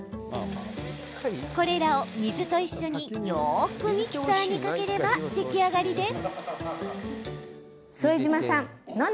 これらを水と一緒によくミキサーにかければ出来上がりです。